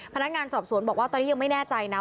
พนักงานสอบสวนบอกว่าตอนนี้ยังไม่แน่ใจนะ